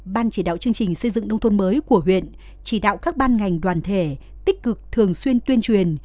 ban chỉ đạo chương trình xây dựng nông thôn mới của huyện chỉ đạo các ban ngành đoàn thể tích cực thường xuyên tuyên truyền